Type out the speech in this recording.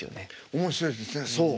面白いですねそう。